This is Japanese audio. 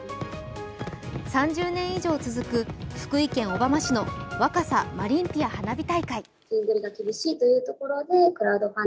３０年以上続く福井県小浜市の若狭マリンピア花火大会。